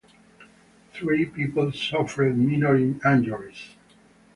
Three people suffered minor injuries.